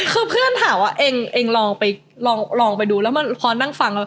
คือเพื่อนถ้าว่าเอ็งลองไปดูแล้วพอนั่งฟัง